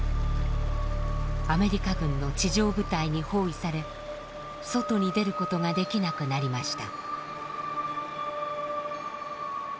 アメリカ軍の地上部隊に包囲され外に出ることができなくなりました。